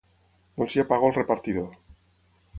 Doncs ja pago al repartidor.